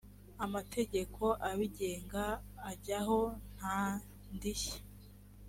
amategeko abigenga ajyaho nta ndishyi